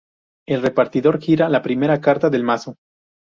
El repartidor gira la primera carta del mazo.